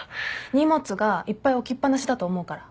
荷物がいっぱい置きっぱなしだと思うから。